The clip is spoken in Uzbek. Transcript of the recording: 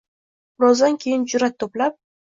birozdan keyin jur’at to‘plab: